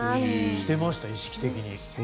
してました、意識的に。